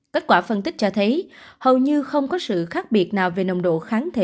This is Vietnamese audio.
kết quả phân tích cho thấy hầu như không có sự khác biệt nào về nồng độ kháng thể